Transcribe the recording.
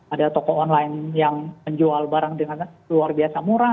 ada toko online yang menjual barang dengan luar biasa murah